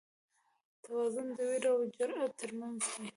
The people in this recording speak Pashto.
توازن د وېرې او جرئت تر منځ دی.